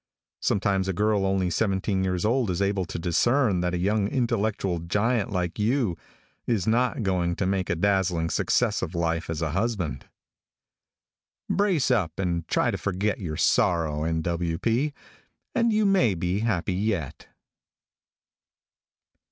Sometimes a girl only seventeen years old is able to discern that a young intellectual giant like you is not going to make a dazzling success of life as a husband. Brace up and try to forget your sorrow, N. W. P., and you may be happy yet.